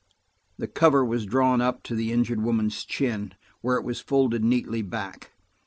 The cover was drawn up to the injured woman's chin, where it was folded neatly back.